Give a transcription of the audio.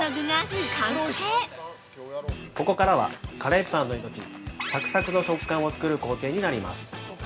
◆ここからは、カレーパンの命、サクサクの食感を作る工程になります。